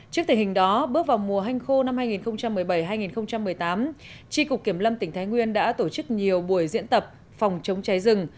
trước tình hình đó bước vào mùa hanh khô năm hai nghìn một mươi bảy hai nghìn một mươi tám tri cục kiểm lâm tỉnh thái nguyên đã tổ chức nhiều buổi diễn tập phòng chống cháy rừng